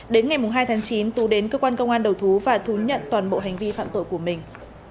đến ngày hai tháng chín tú đến cơ quan công an đầu thú và thú nhận toàn bộ hành vi phạm tội của mình